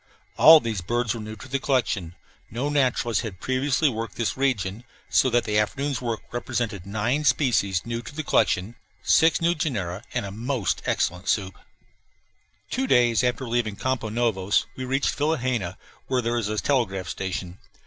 All these birds were new to the collection no naturalists had previously worked this region so that the afternoon's work represented nine species new to the collection, six new genera, and a most excellent soup. Two days after leaving Campos Novos we reached Vilhena, where there is a telegraph station.